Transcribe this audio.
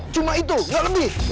cuma itu gak lebih